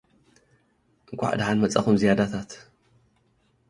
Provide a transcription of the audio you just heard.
እንካዕ ደሓን መፃእኩም ዝያዳታት